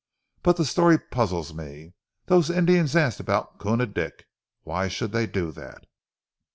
But the story puzzles me! Those Indians asked about Koona Dick. Why should they do that?"